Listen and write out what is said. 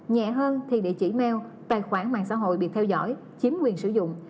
nhẹ hơn thì địa chỉ mail tài khoản mạng xã hội bị theo dõi chiếm quyền sử dụng